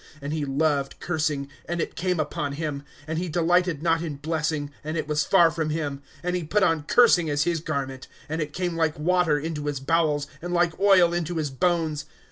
^^ And he loved cur, sing, and it came upon him ; And he delighted not in blessing, And it was far from him, ^^ And he put on cursing as his garment ; And it came like water into his bowels, And like oil into his bones.